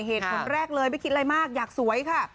เหตุผลแรกเลยไม่คิดอะไรมากอยากสวยค่ะ